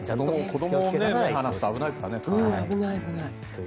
子供は目離すと危ないからね。